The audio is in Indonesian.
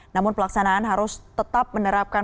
namun pelaksanaan harus tetap menerapkan